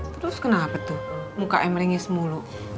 terus kenapa tuh muka emrengnya semuluk